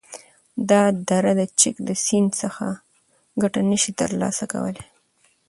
دا دره د چک د سیند څخه گټه نشی تر لاسه کولای،